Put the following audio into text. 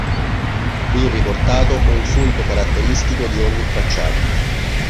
Qui riportato un sunto caratteristico di ogni tracciato.